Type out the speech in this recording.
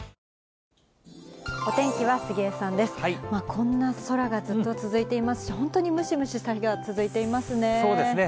こんな空がずっと続いていますし、本当にムシムシした日が続いていますね。